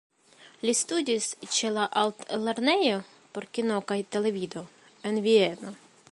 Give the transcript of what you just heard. Li studis ĉe la Altlernejo por Kino kaj Televido en Vieno.